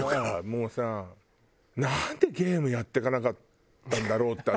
もうさなんでゲームやってこなかったんだろうって